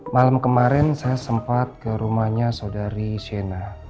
malam kemarin saya sempat ke rumahnya saudari shena